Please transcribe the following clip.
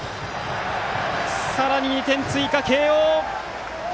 さらに２点追加、慶応！